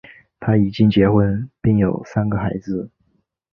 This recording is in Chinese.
他已经结婚并有三个孩子。